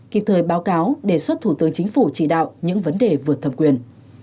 kịp thời báo cáo đề xuất thủ tướng chính phủ chỉ đạo những vấn đề vượt thẩm quyền